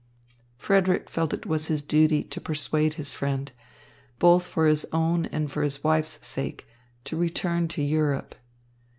Frederick felt it was his duty to persuade his friend, both for his own and for his wife's sake, to return to Europe.